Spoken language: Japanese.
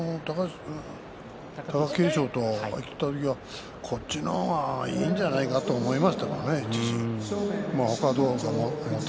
貴景勝とこっちの方がいいんじゃないかと思いましたけれどもね。